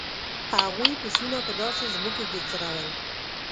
هغوی پسونه په داسې ځمکو کې څرول.